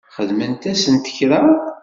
Xedment-asent kra?